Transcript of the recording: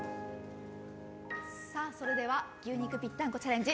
それでは牛肉ぴったんこチャレンジ